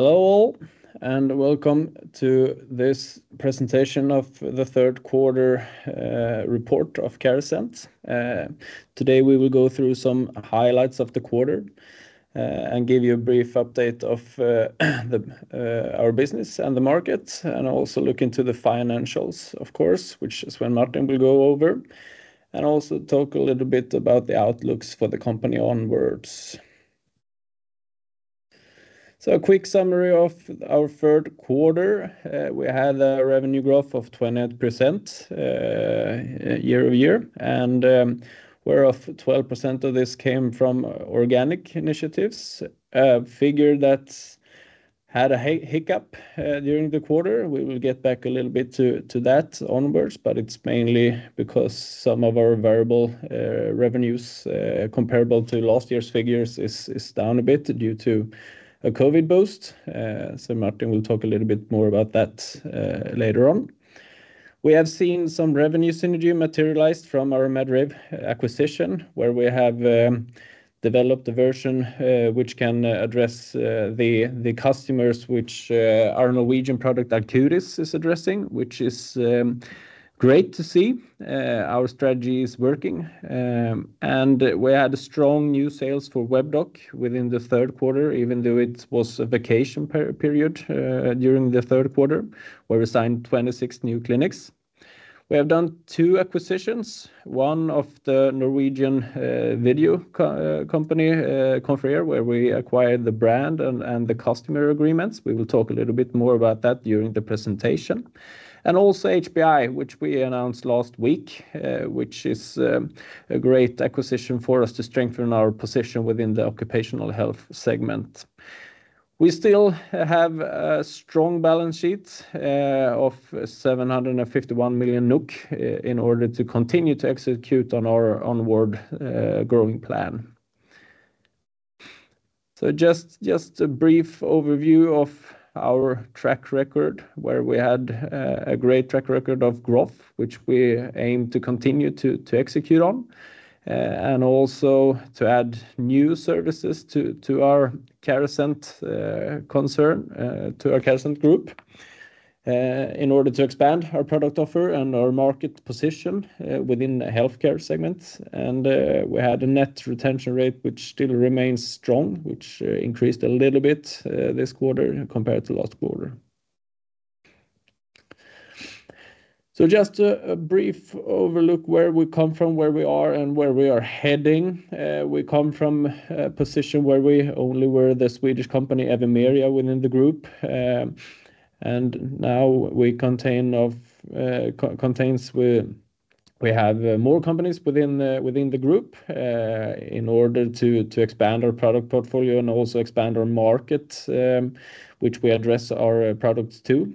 Hello all, and welcome to this presentation of the Q3 report of Carasent. Today we will go through some highlights of the quarter and give you a brief update of our business and the market and also look into the financials of course, which is when Martin will go over and also talk a little bit about the outlooks for the company onwards. A quick summary of our Q3. We had a revenue growth of 20% year-over-year and whereof 12% of this came from organic initiatives. Figure that had a hiccup during the quarter. We will get back a little bit to that onwards, but it's mainly because some of our variable revenues comparable to last year's figures is down a bit due to a COVID boost. Martin will talk a little bit more about that later on. We have seen some revenue synergy materialized from our Medrave acquisition, where we have developed a version which can address the customers which our Norwegian product, Acus, is addressing, which is great to see, our strategy is working. We had strong new sales for Webdoc within the Q3, even though it was a vacation period during the Q3, where we signed 26 new clinics. We have done two acquisitions, one of the Norwegian video company, Confrere, where we acquired the brand and the customer agreements. We will talk a little bit more about that during the presentation. Also HPI, which we announced last week, which is a great acquisition for us to strengthen our position within the occupational health segment. We still have a strong balance sheet of 751 million NOK in order to continue to execute on our onward growing plan. Just a brief overview of our track record, where we had a great track record of growth, which we aim to continue to execute on and also to add new services to our Carasent group in order to expand our product offer and our market position within the healthcare segment. We had a net retention rate which still remains strong, which increased a little bit this quarter compared to last quarter. Just a brief overview where we come from, where we are, and where we are heading. We come from a position where we only were the Swedish company Evimeria within the group. Now we consist of more companies within the group in order to expand our product portfolio and also expand our market which we address our products to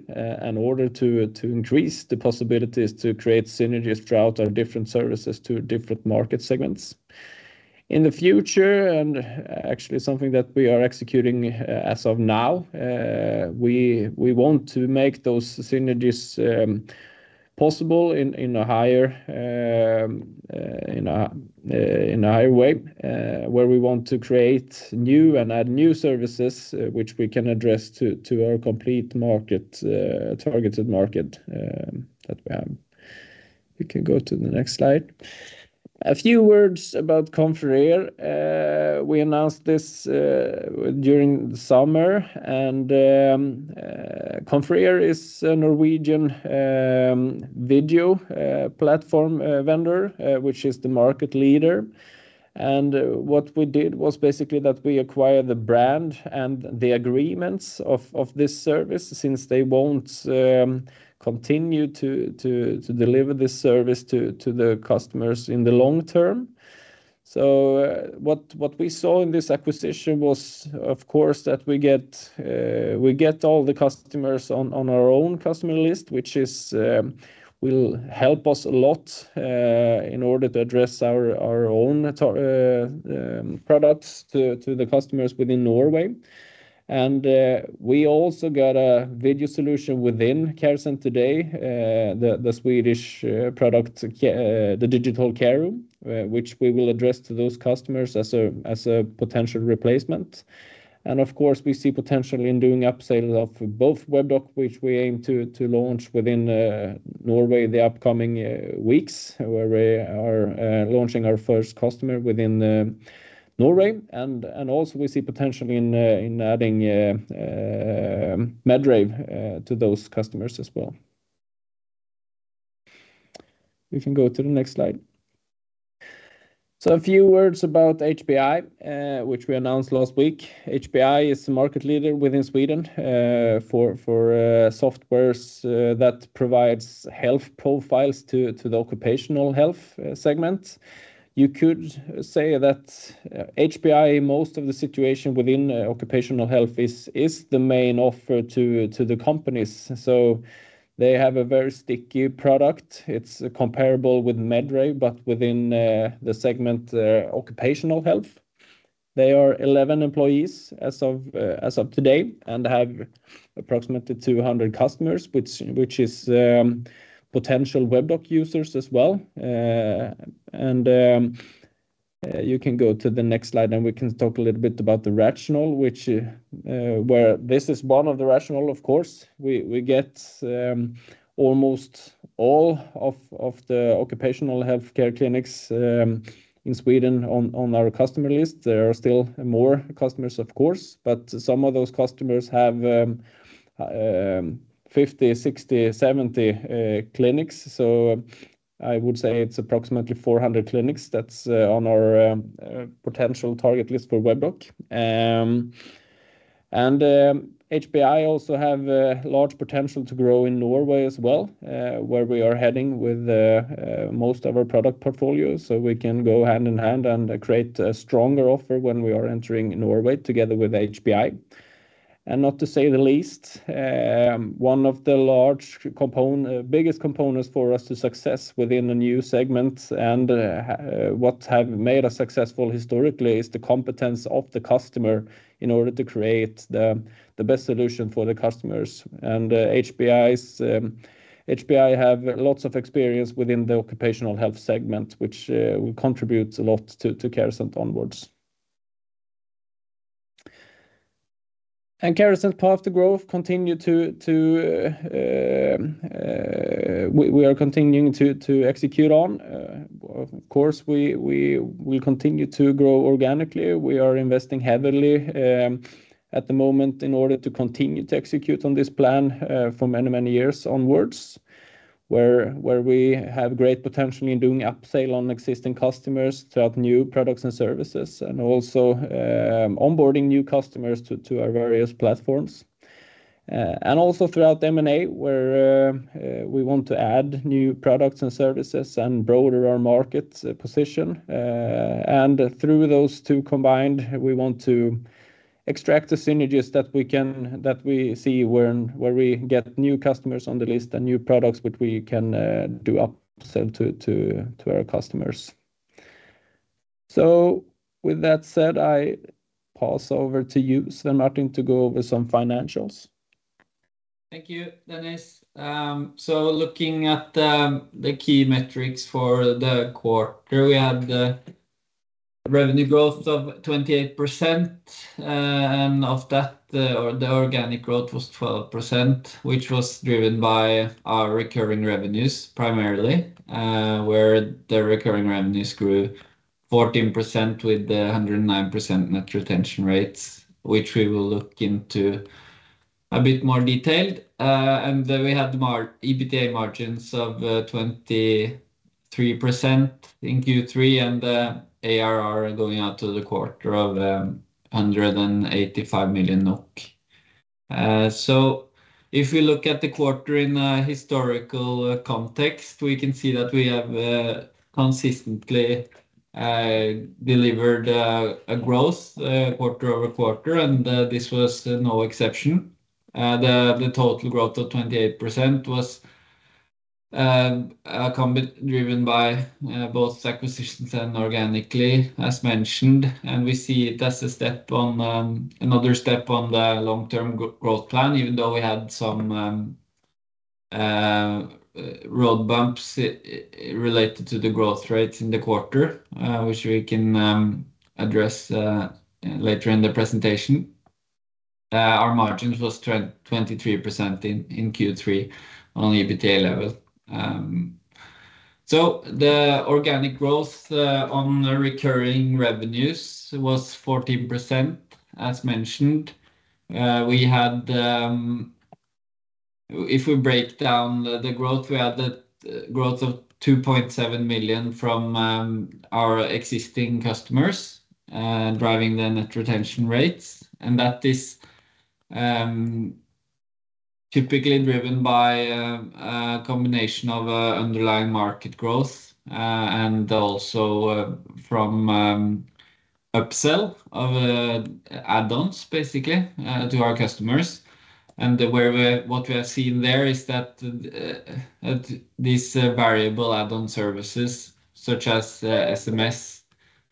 in order to increase the possibilities to create synergies throughout our different services to different market segments. In the future, and actually something that we are executing as of now, we want to make those synergies possible in a higher way, where we want to create new and add new services which we can address to our complete market, targeted market, that we have. We can go to the next slide. A few words about Confrere. We announced this during the summer, and Confrere is a Norwegian video platform vendor which is the market leader. What we did was basically that we acquired the brand and the agreements of this service since they won't continue to deliver this service to the customers in the long term. What we saw in this acquisition was, of course, that we get all the customers on our own customer list, which will help us a lot in order to address our own products to the customers within Norway. We also got a video solution within Carasent today, the Swedish product, the Digital Care Room, which we will address to those customers as a potential replacement. Of course we see potential in doing upsales of both Webdoc, which we aim to launch within Norway in the upcoming weeks, where we are launching our first customer within Norway. Also we see potential in adding Medrave to those customers as well. We can go to the next slide. A few words about HPI, which we announced last week. HPI is the market leader within Sweden for software that provides health profiles to the occupational health segment. You could say that HPI, most of the situation within occupational health is the main offer to the companies. They have a very sticky product. It's comparable with Medrave, but within the segment occupational health. They are 11 employees as of today and have approximately 200 customers, which is potential Webdoc users as well. You can go to the next slide, and we can talk a little bit about the rationale, which where this is one of the rationales, of course. We get almost all of the occupational health care clinics in Sweden on our customer list. There are still more customers, of course, but some of those customers have 50, 60, 70 clinics. I would say it's approximately 400 clinics that's on our potential target list for Webdoc. HPI also have a large potential to grow in Norway as well, where we are heading with most of our product portfolio. We can go hand in hand and create a stronger offer when we are entering Norway together with HPI. Not to say the least, one of the biggest components for us to succeed within the new segments and what have made us successful historically is the competence of the customer in order to create the best solution for the customers. HPI has lots of experience within the occupational health segment, which will contribute a lot to Carasent onwards. Carasent path to growth we are continuing to execute on. Of course, we continue to grow organically. We are investing heavily at the moment in order to continue to execute on this plan for many years onwards, where we have great potential in doing up sale on existing customers through new products and services and also onboarding new customers to our various platforms. Also throughout M&A, where we want to add new products and services and broaden our market position. Through those two combined, we want to extract the synergies that we see where we get new customers on the list and new products which we can upsell to our customers. With that said, I pass over to you, Svein Martin, to go over some financials. Thank you, Dennis. Looking at the key metrics for the quarter, we had the revenue growth of 28%. Of that, the organic growth was 12%, which was driven by our recurring revenues primarily, where the recurring revenues grew 14% with the 109% net retention rates, which we will look into a bit more detail. We had EBITDA margins of 23% in Q3 and the ARR at the end of the quarter of 185 million NOK. If we look at the quarter in a historical context, we can see that we have consistently delivered a growth quarter-over-quarter, and this was no exception. The total growth of 28% was driven by both acquisitions and organically, as mentioned. We see it as another step on the long-term growth plan, even though we had some road bumps related to the growth rates in the quarter, which we can address later in the presentation. Our margins was 23% in Q3 on EBITDA level. So the organic growth on the recurring revenues was 14%, as mentioned. We had, if we break down the growth, we had that growth of 2.7 million from our existing customers driving the net retention rates. That is typically driven by a combination of underlying market growth and also from upsell of add-ons basically to our customers. What we have seen there is that these variable add-on services such as SMS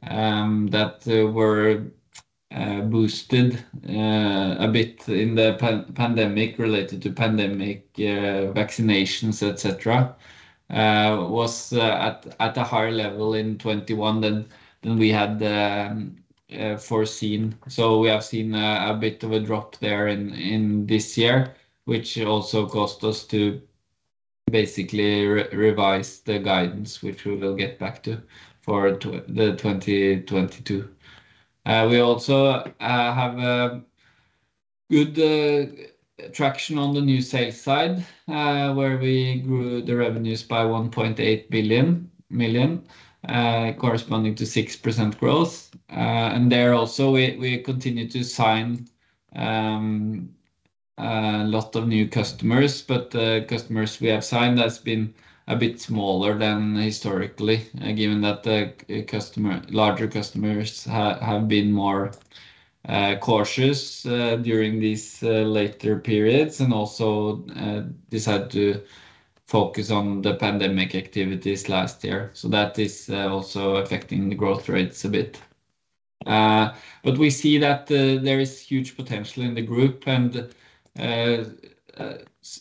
that were boosted a bit in the pandemic related to pandemic vaccinations etcetera was at a higher level in 2021 than we had foreseen. We have seen a bit of a drop there in this year, which also caused us to basically revise the guidance, which we will get back to for the 2022. We also have a good traction on the new sales side, where we grew the revenues by 1.8 million corresponding to 6% growth. There also we continue to sign a lot of new customers. Customers we have signed that have been a bit smaller than historically, given that larger customers have been more cautious during these latter periods and also decided to focus on the pandemic activities last year. That is also affecting the growth rates a bit. We see that there is huge potential in the group and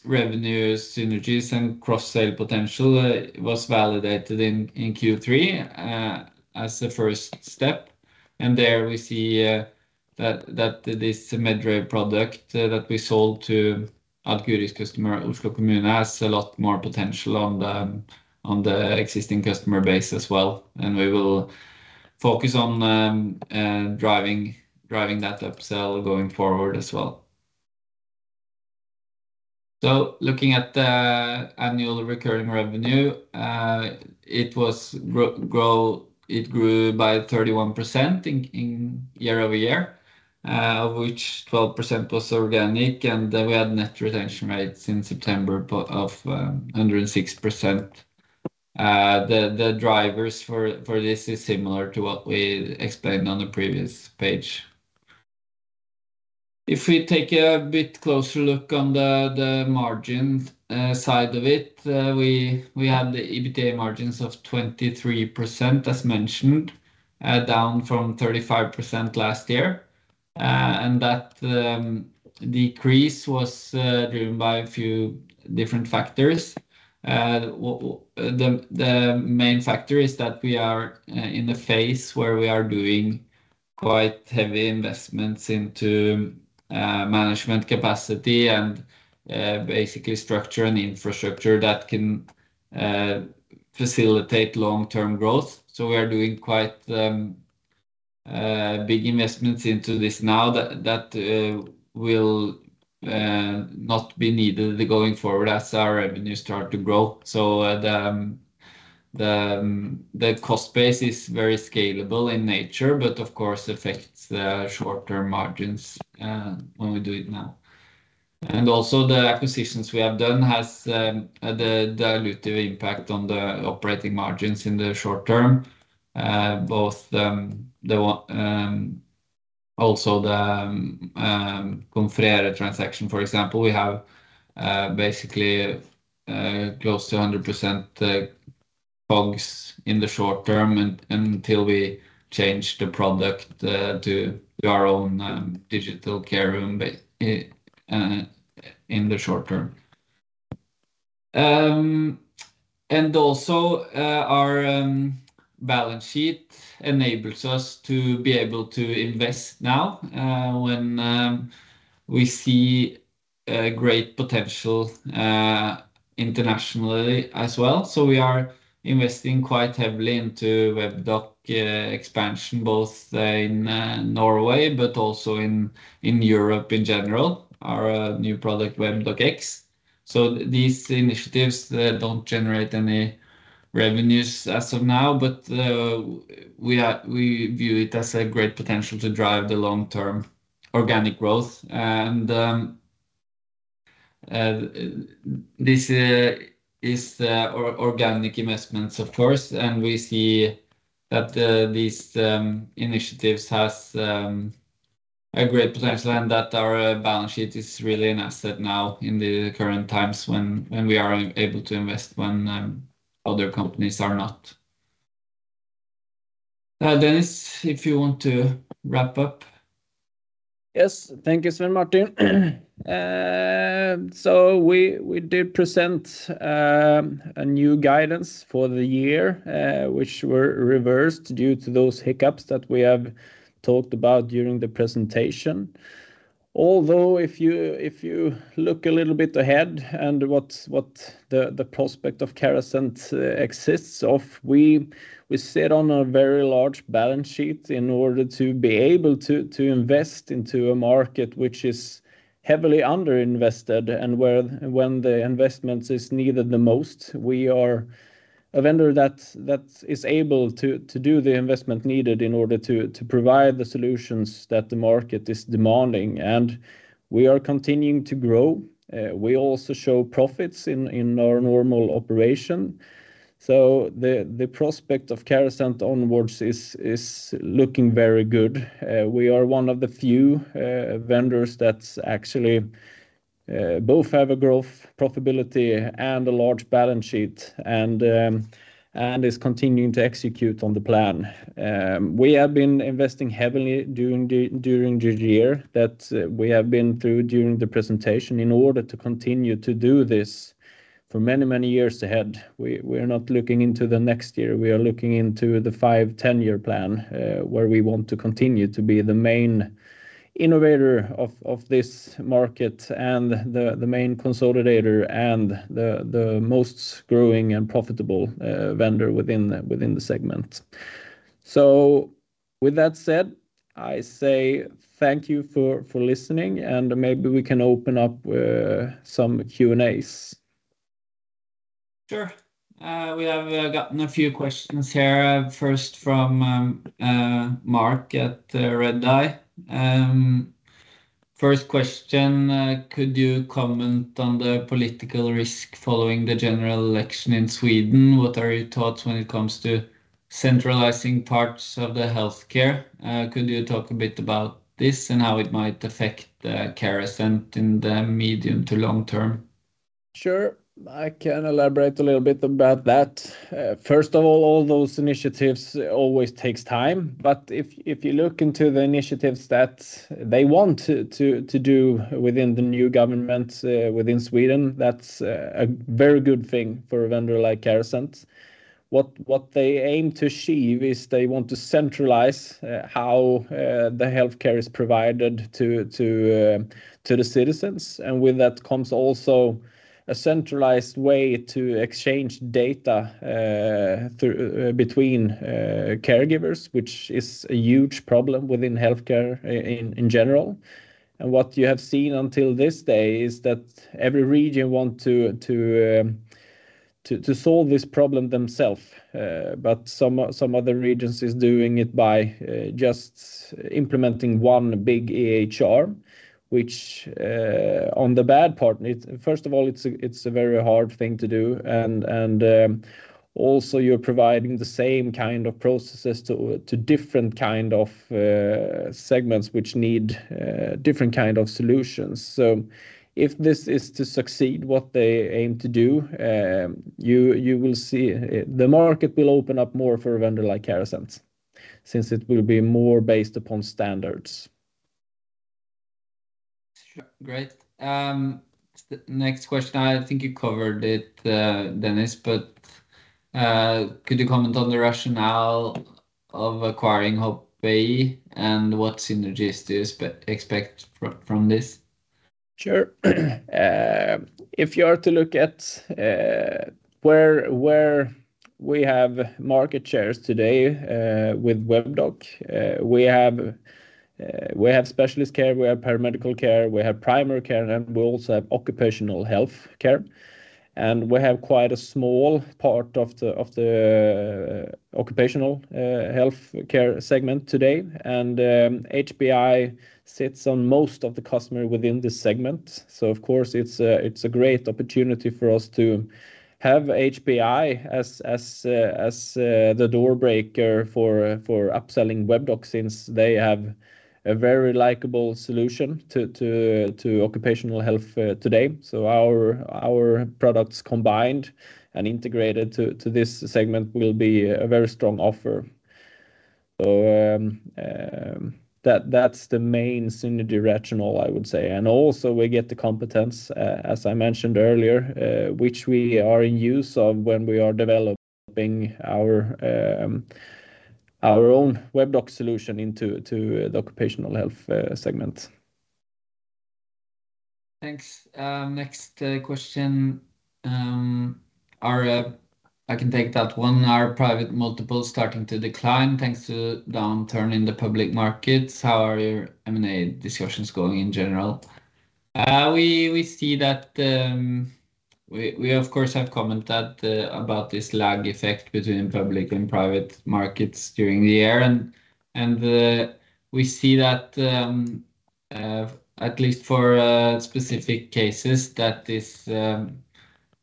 revenues, synergies, and cross-sale potential was validated in Q3 as a first step. There we see that this Medrave product that we sold to Aleris's customer, Oslo Kommune, has a lot more potential on the existing customer base as well, and we will focus on driving that upsell going forward as well. Looking at the annual recurring revenue, it was grow... It grew by 31% year-over-year, which 12% was organic, and we had net retention rates in September of 106%. The drivers for this is similar to what we explained on the previous page. If we take a bit closer look on the margin side of it, we have the EBITDA margins of 23%, as mentioned, down from 35% last year. That decrease was driven by a few different factors. The main factor is that we are in a phase where we are doing quite heavy investments into management capacity and basically structure and infrastructure that can facilitate long-term growth. We are doing quite big investments into this now that will not be needed going forward as our revenue start to grow. The cost base is very scalable in nature, but of course affects the short-term margins when we do it now. The acquisitions we have done has the dilutive impact on the operating margins in the short term. The Confrere transaction, for example, we have basically close to 100% COGS in the short term until we change the product to our own Digital Care Room in the short term. Our balance sheet enables us to be able to invest now when we see great potential internationally as well. We are investing quite heavily into Webdoc expansion, both in Norway but also in Europe in general, our new product, Webdoc X. These initiatives don't generate any revenues as of now, but we view it as a great potential to drive the long-term organic growth. This is organic investments, of course, and we see that these initiatives has a great potential and that our balance sheet is really an asset now in the current times when we are able to invest when other companies are not. Dennis, if you want to wrap up. Yes. Thank you, Svein Martin. We did present a new guidance for the year, which were reversed due to those hiccups that we have talked about during the presentation. Although if you look a little bit ahead and what the prospect of Carasent exist of, we sit on a very large balance sheet in order to be able to invest into a market which is heavily underinvested and where when the investment is needed the most. We are a vendor that is able to do the investment needed in order to provide the solutions that the market is demanding, and we are continuing to grow. We also show profits in our normal operation. The prospect of Carasent onward is looking very good. We are one of the few vendors that's actually both have a growth profitability and a large balance sheet and is continuing to execute on the plan. We have been investing heavily during the year that we have been through during the presentation in order to continue to do this for many, many years ahead. We're not looking into the next year. We are looking into the five-10-year plan, where we want to continue to be the main innovator of this market and the main consolidator and the most growing and profitable vendor within the segment. With that said, I say thank you for listening, and maybe we can open up some Q&As. Sure. We have gotten a few questions here, first from Mark at Redeye. First question, could you comment on the political risk following the general election in Sweden? What are your thoughts when it comes to centralizing parts of the healthcare? Could you talk a bit about this and how it might affect Carasent in the medium to long term? Sure. I can elaborate a little bit about that. First of all those initiatives always takes time, but if you look into the initiatives that they want to do within the new government, within Sweden, that's a very good thing for a vendor like Carasent. What they aim to achieve is they want to centralize how the healthcare is provided to the citizens. With that comes also a centralized way to exchange data between caregivers, which is a huge problem within healthcare in general. What you have seen until this day is that every region want to solve this problem themselves. Some other regions is doing it by just implementing one big EHR, which, on the bad part, it's. First of all, it's a very hard thing to do and also you're providing the same kind of processes to different kind of segments which need different kind of solutions. If this is to succeed what they aim to do, you will see the market will open up more for a vendor like Carasent since it will be more based upon standards. Sure. Great. Next question, I think you covered it, Dennis, but could you comment on the rationale of acquiring HPI and what synergies do you expect from this? Sure. If you are to look at where we have market shares today with Webdoc, we have specialist care, we have paramedical care, we have primary care, and we also have occupational health care. We have quite a small part of the occupational health care segment today. HPI sits on most of the customers within this segment. Of course, it's a great opportunity for us to have HPI as the door breaker for upselling Webdoc, since they have a very likable solution to occupational health today. Our products combined and integrated to this segment will be a very strong offer. That's the main synergy rationale, I would say. Also we get the competence, as I mentioned earlier, which we make use of when we are developing our own Webdoc solution into the occupational health segment. Thanks. Next question, I can take that one. Are private multiples starting to decline thanks to downturn in the public markets? How are your M&A discussions going in general? We see that we of course have commented about this lag effect between public and private markets during the year and we see that at least for specific cases that is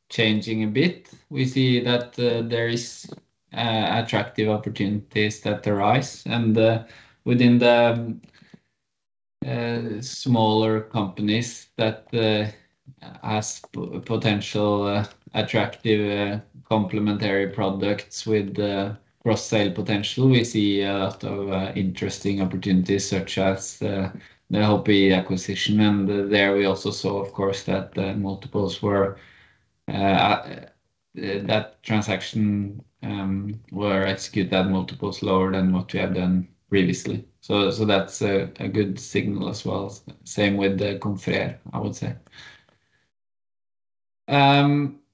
changing a bit. We see that there is attractive opportunities that arise and within the smaller companies that has potential attractive complementary products with the cross-sale potential. We see a lot of interesting opportunities such as the HPI acquisition. There we also saw, of course, that the transaction was executed at multiples lower than what we have done previously. That's a good signal as well. Same with the Confrere, I would say.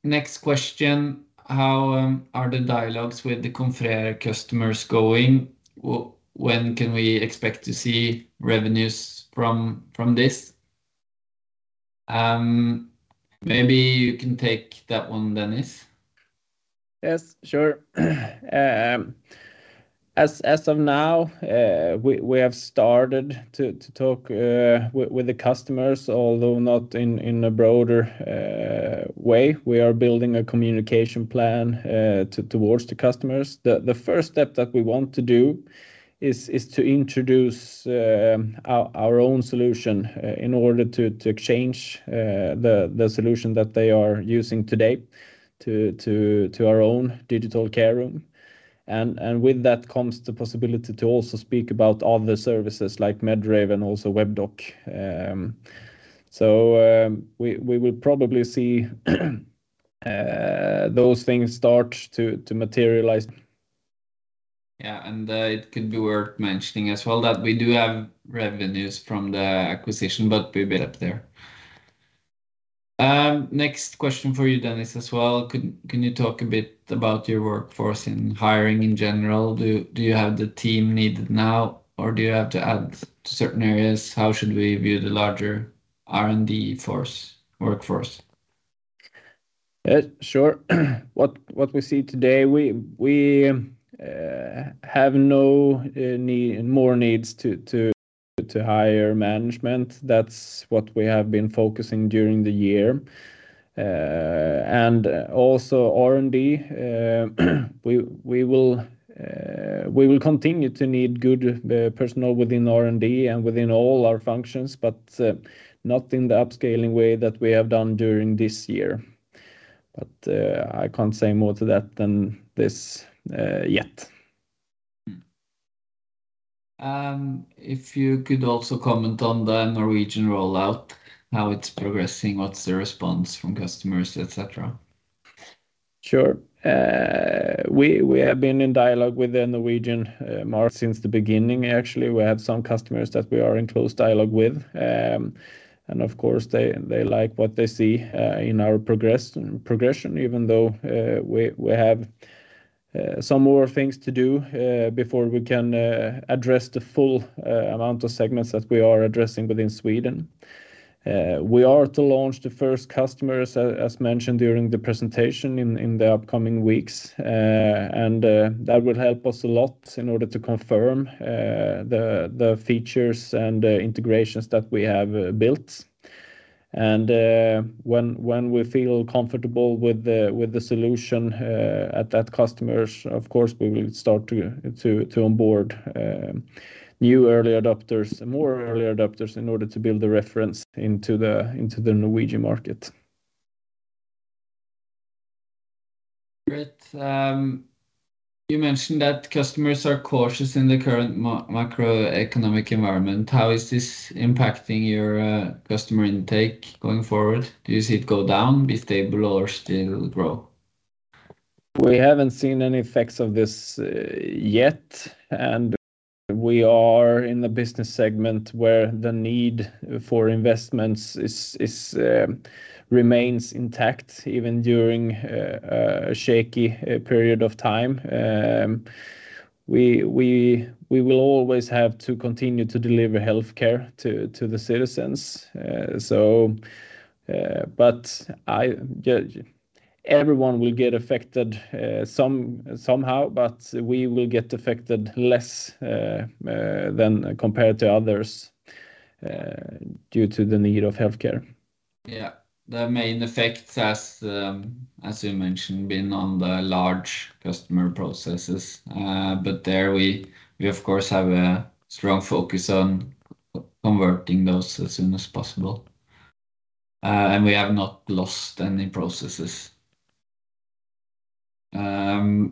Next question. How are the dialogues with the Confrere customers going? When can we expect to see revenues from this? Maybe you can take that one, Dennis. Yes, sure. As of now, we have started to talk with the customers, although not in a broader way. We are building a communication plan toward the customers. The first step that we want to do is to introduce our own solution in order to exchange the solution that they are using today to our own Digital Care Room. With that comes the possibility to also speak about other services like Medrave and also Webdoc. We will probably see those things start to materialize. Yeah, it could be worth mentioning as well that we do have revenues from the acquisition, but pretty big up there. Next question for you, Dennis, as well. Can you talk a bit about your workforce and hiring in general? Do you have the team needed now, or do you have to add to certain areas? How should we view the larger R&D force, workforce? Yeah, sure. What we see today, we have no more need to hire management. That's what we have been focusing during the year. Also R&D, we will continue to need good personnel within R&D and within all our functions, but not in the upscaling way that we have done during this year. I can't say more to that than this yet. If you could also comment on the Norwegian rollout, how it's progressing, what's the response from customers, et cetera. Sure. We have been in dialogue with the Norwegian market since the beginning, actually. We have some customers that we are in close dialogue with. Of course they like what they see in our progression, even though we have some more things to do before we can address the full amount of segments that we are addressing within Sweden. We are to launch the first customers, as mentioned during the presentation in the upcoming weeks. That will help us a lot in order to confirm the features and the integrations that we have built. When we feel comfortable with the solution at those customers, of course we will start to onboard new early adopters, more early adopters in order to build the reference into the Norwegian market. Great. You mentioned that customers are cautious in the current macroeconomic environment. How is this impacting your, customer intake going forward? Do you see it go down, be stable or still grow? We haven't seen any effects of this yet, and we are in the business segment where the need for investments remains intact even during a shaky period of time. We will always have to continue to deliver healthcare to the citizens. Everyone will get affected somehow, but we will get affected less than compared to others due to the need of healthcare. Yeah. The main effects, as you mentioned, been on the large customer processes. There we of course have a strong focus on converting those as soon as possible. We have not lost any processes. How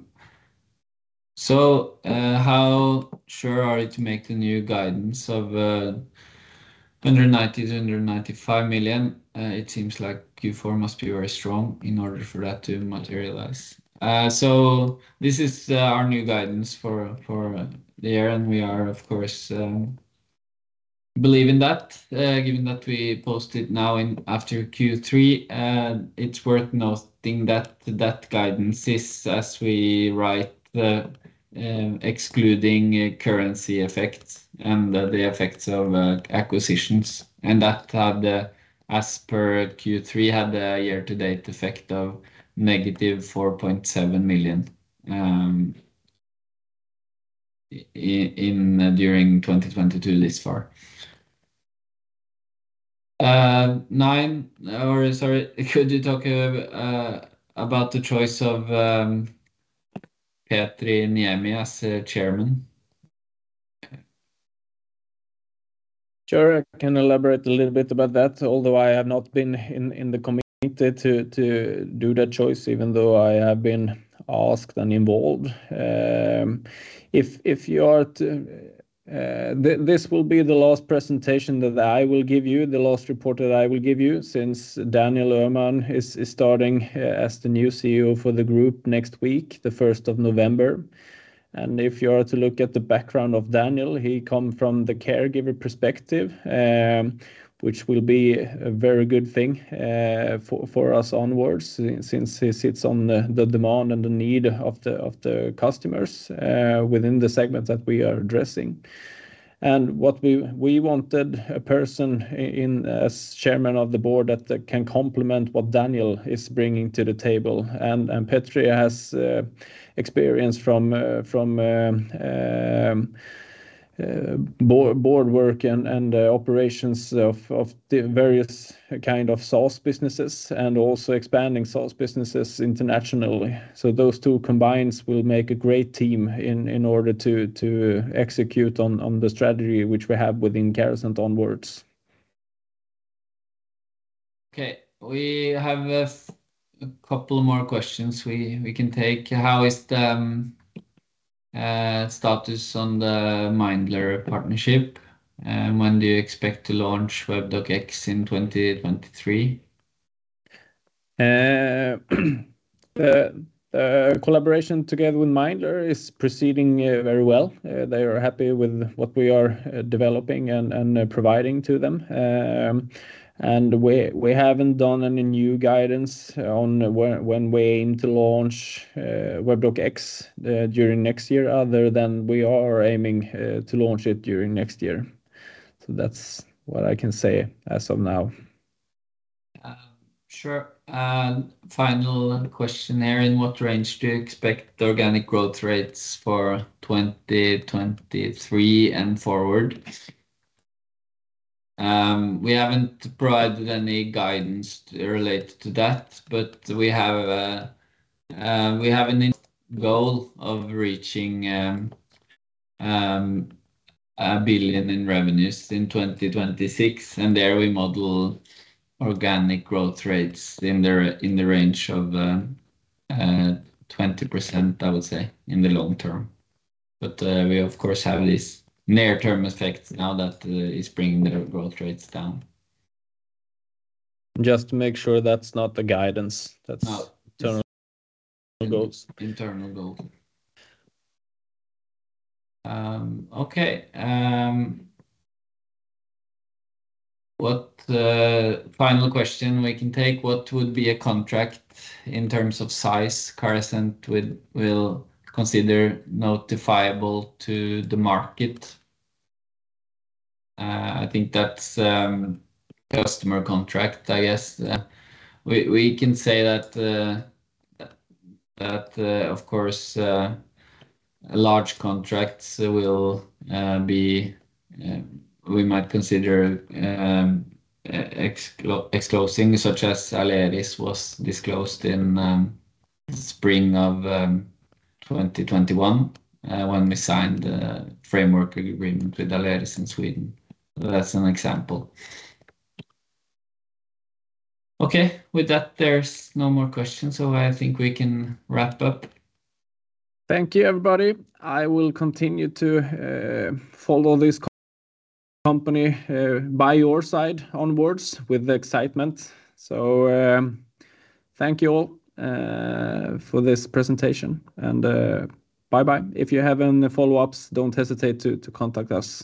sure are you to make the new guidance of under 90 million to under 95 million? It seems like Q4 must be very strong in order for that to materialize. This is our new guidance for the year, and we are of course believe in that, given that we posted now in after Q3. It's worth noting that that guidance is as we write the excluding currency effects and the effects of acquisitions. That as per Q3 had a year-to-date effect of negative 4.7 million in 2022 this far. Sorry, could you talk about the choice of Petri Niemi as Chairman? Sure. I can elaborate a little bit about that, although I have not been in the committee to do that choice, even though I have been asked and involved. If you are to, this will be the last presentation that I will give you, the last report that I will give you since Daniel Öhman is starting as the new CEO for the group next week, the 1st of November. If you are to look at the background of Daniel, he come from the caregiver perspective, which will be a very good thing, for us onwards since he sits on the demand and the need of the customers, within the segment that we are addressing. What we wanted a person in as chairman of the board that can complement what Daniel is bringing to the table. Petri has experience from board work and operations of the various kind of SaaS businesses and also expanding SaaS businesses internationally. Those two combined will make a great team in order to execute on the strategy which we have within Carasent onwards. Okay. We have a couple more questions we can take. How is the status on the Mindler partnership? When do you expect to launch Webdoc X in 2023? The collaboration together with Mindler is proceeding very well. They are happy with what we are developing and providing to them. We haven't done any new guidance on when we aim to launch Webdoc X during next year other than we are aiming to launch it during next year. That's what I can say as of now. Sure. Final question here. In what range do you expect organic growth rates for 2023 and forward? We haven't provided any guidance related to that, but we have an initial goal of reaching 1 billion in revenues in 2026, and there we model organic growth rates in the range of 20%, I would say, in the long term. We of course have these near-term effects now that is bringing the growth rates down. Just to make sure that's not the guidance. No internal goals. Internal goal. Okay. What final question we can take, what would be a contract in terms of size Carasent will consider notifiable to the market? I think that's customer contract, I guess. We can say that of course large contracts will be, we might consider disclosing, such as Aleris was disclosed in spring of 2021, when we signed a framework agreement with Aleris in Sweden. That's an example. Okay. With that, there's no more questions, so I think we can wrap up. Thank you, everybody. I will continue to follow this company by your side onwards with the excitement. Thank you all for this presentation, and bye-bye. If you have any follow-ups, don't hesitate to contact us.